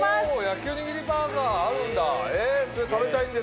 焼きおにぎりバーガーあるんだ！